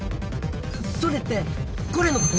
それってこれのこと？